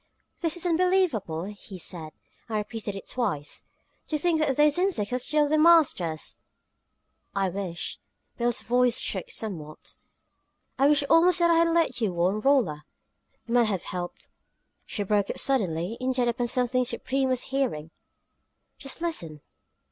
"This is unbelievable!" he said, and repeated it twice. "To think that those insects are still the masters!" "I wish" Billie's voice shook somewhat "I wish almost that I had let you warn Rolla. It might have helped " She broke off suddenly, intent upon something Supreme was hearing. "Just listen!"